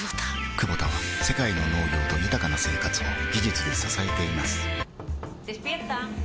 クボタは世界の農業と豊かな生活を技術で支えています起きて。